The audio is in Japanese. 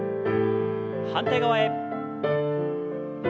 反対側へ。